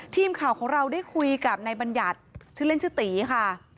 ทีมข่าวของเราได้คุยกับในบรรยาชชื่อเล่นชื่อตี๋ค่ะ